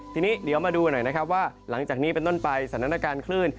ทีนี้เดี๋ยวมาดูหน่อยนะครับว่าหลังจากนี้เป็นต้นไปสถานการณ์คลื่น